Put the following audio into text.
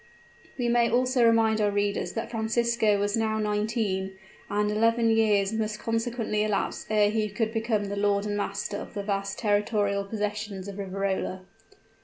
We may also remind our readers that Francisco was now nineteen; and eleven years must consequently elapse ere he could become the lord and master of the vast territorial possessions of Riverola.